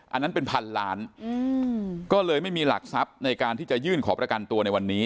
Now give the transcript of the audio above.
อันนั้นเป็นพันล้านก็เลยไม่มีหลักทรัพย์ในการที่จะยื่นขอประกันตัวในวันนี้